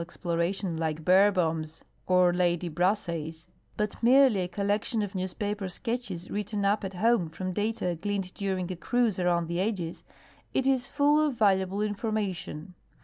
x ploration like Beerbohm's or Lady Brassey's, but merely a collection of newspaper sketches written up at.homefrom data gleaned during a cruise around the edges, it is full of valuable information.